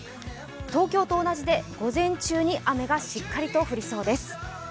東京と同じで午前中に雨がしっかりと降りそうです。